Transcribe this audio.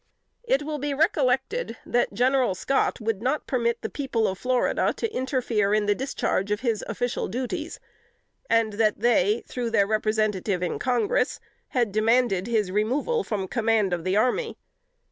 It will be recollected, that General Scott would not permit the people of Florida to interfere in the discharge of his official duties, and that they, through their representative in Congress, had demanded his removal from command of the army.